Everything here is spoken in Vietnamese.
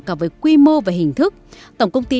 cả với quy mô và hình thức tổng công ty